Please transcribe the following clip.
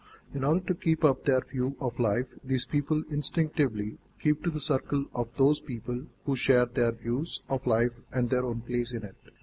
In order to keep up their view of life, these people instinctively keep to the circle of those people who share their views of life and their own place in it.